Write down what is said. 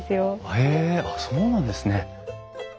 へえあっそうなんですね。